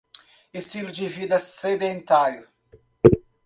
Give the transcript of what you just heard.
Estilo de vida sedentário